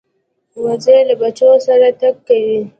وزې له بچو سره تګ کوي